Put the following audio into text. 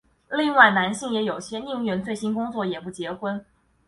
另外男性也有些宁愿醉心工作也不结婚。